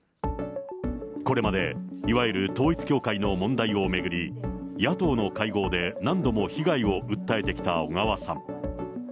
これまで、いわゆる統一教会の問題を巡り、野党の会合で何度も被害を訴えてきた小川さん。